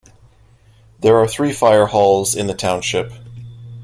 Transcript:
There are three fire halls in the Township.